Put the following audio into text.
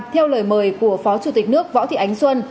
theo lời mời của phó chủ tịch nước võ thị ánh xuân